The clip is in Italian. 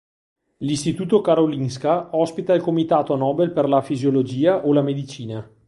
L'Istituto Karolinska ospita il Comitato Nobel per la fisiologia o la medicina.